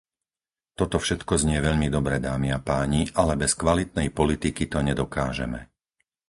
Toto všetko znie veľmi dobre, dámy a páni, ale bez kvalitnej politiky to nedokážeme.